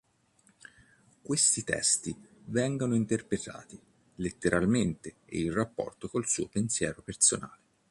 Questi testi vengono interpretati letteralmente e in rapporto con il suo pensiero personale.